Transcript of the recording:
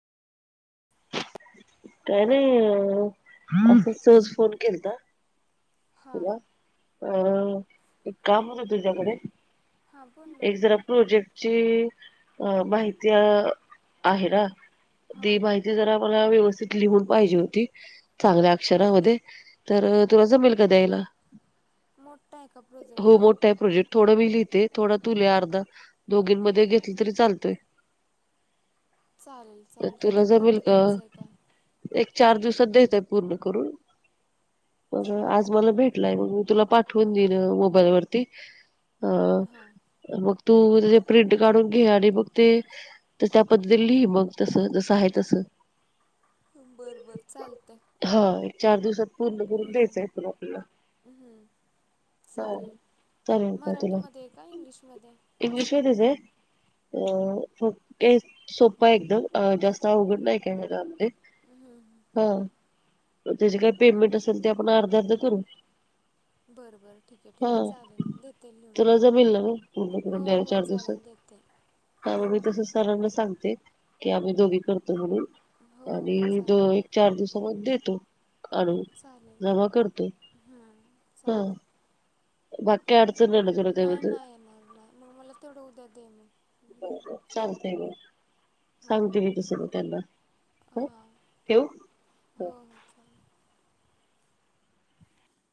काय नाही. सहज फोन केलता. हां तुला अ एक काम होत तुझ्याकडे हां बोल ना एक जरा प्रोजेक्टची माहिती आहे. ना हां ती माहिती जरा मला व्यवस्थित लिहून पाहिजे होती. चांगल्या अक्षरांमध्ये तर द्यायला मोठा आहे का प्रोजेक्ट हो मोठा आहे प्रोजेक्ट थोडं मी लिहिते थोडं तु लिही अर्धा दोघी मध्ये घेतलं तरी चालतय चालेल चालेल तुला जमेल कधीपर्यंत का द्यायचं आहे काय एक चार दिवसात देत्यात पूर्ण करून ब आ हां मला भेटलाय मग मी तुला पाठवून दिल मोबाईलवररती हा हां तू त्या प्रिंट काढून घे आणि मग ते त्या पद्धती लिहि मग तस जसं आहे तस बरं बरं चालतं हा एक चार दिवसात पूर्ण करून द्यायचं आहे तुला हम्म हा चालेल चालेल का तुला मराठीमध्ये आहे का इंग्लिशमध्ये इंग्लिश मध्येच आहे अ ऐ सोपा एकदम जास्त अवघड नाही के लाते हं. हम ते जे काही पेमेंट असेल ते आपण अर्ध अर्ध बरं बरं ठीक आहे हा ठीक आहे चालेल देते लिहून तुला मी. जमल ना म पूर्ण करून हो दिव्या हो चार दिवसात चालेल देते हा मग मी देते तस सारांना सांगते की आम्ही दोघी करतो म्हणून हो हो आणि द एक चालेल चार दिवसांना देतो आणू जमा करतो हम्म हा चालत बाकी काय अडचण नाही ना तुला नाही त्याबद्दल नाही येणार नाही मग मला तेवढं उद्या दे मी चालतय मग सांगते मी त स त्यांना ह हां ठेवू हो हो चालेल